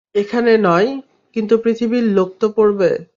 এখানে নয়, কিন্তু পৃথিবীর লোক তো পড়বে।